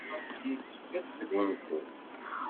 Yessefk ad tesgunfu.